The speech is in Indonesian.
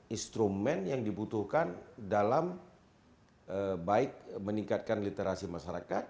instrumen yang dibutuhkan dalam baik meningkatkan literasi masyarakat